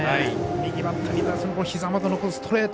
右バッターにひざ元のストレート。